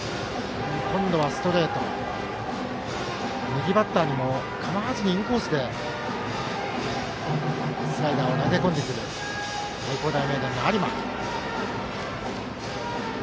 右バッターにも構わずにインコースにスライダーを投げ込んでくる愛工大名電の有馬。